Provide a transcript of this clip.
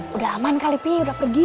udah aman kali pih udah pergi ya